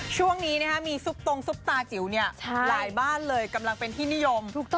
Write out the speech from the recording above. ช่วงนี้มีซุปตรงซุปตาจิ๋วหลายบ้านเลยกำลังเป็นที่นิยม